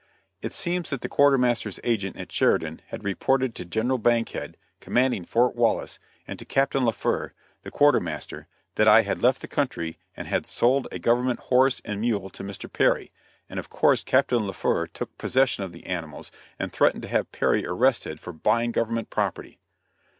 It seems that the quartermaster's agent at Sheridan had reported to General Bankhead, commanding Fort Wallace, and to Captain Laufer, the quartermaster, that I had left the country and had sold a government horse and mule to Mr. Perry, and of course Captain Laufer took possession of the animals and threatened to have Perry arrested for buying government property.